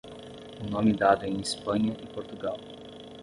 O nome dado em Espanha e Portugal.